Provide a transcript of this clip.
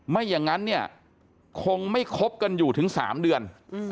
ไม่อย่างนั้นเนี่ยคงไม่คบกันอยู่ถึง๓เดือน